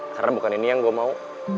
karena bukan ini yang gue mau